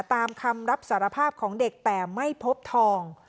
ตามคำรับสารภาพของเด็กแต่ไม่พบทอง